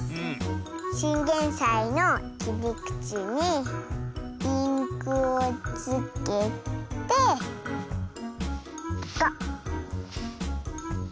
チンゲンサイのきりくちにインクをつけてゴッホ！